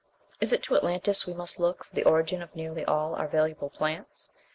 It is to Atlantis we must look for the origin of nearly all our valuable plants.